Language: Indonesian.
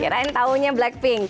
kirain tahunya blackpink